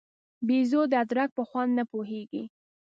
بېزو د ادرک په خوند نه پوهېږي.